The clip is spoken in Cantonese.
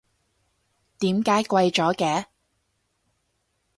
點解貴咗嘅？